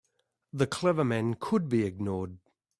The clever men could be ignored.